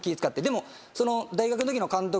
でも。